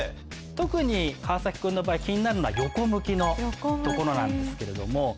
特に川崎君の場合気になるのは横向きのところなんですけれども。